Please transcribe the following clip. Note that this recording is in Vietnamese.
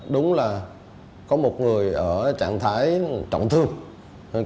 đúng là có một người ở trạng thái trọng thương